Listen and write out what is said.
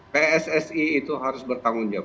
pssi itu harus bertanggung jawab